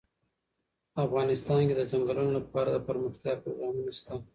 افغانستان کې د چنګلونه لپاره دپرمختیا پروګرامونه شته.